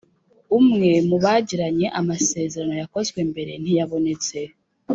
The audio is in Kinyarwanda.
Umwe mu bagiranye amasezerano yakozwe mbere ntiyabonetse